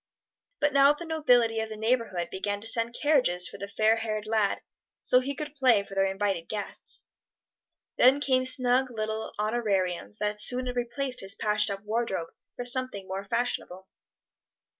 But now the nobility of the neighborhood began to send carriages for the fair haired lad, so he could play for their invited guests. Then came snug little honorariums that soon replaced his patched up wardrobe for something more fashionable.